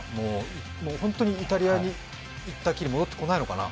もう本当にイタリアに行ったきり戻ってこないのかな？